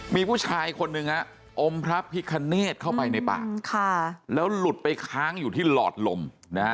มีผู้ชายคนหนึ่งอมพระพิคเนธเข้าไปในปากแล้วหลุดไปค้างอยู่ที่หลอดลมนะฮะ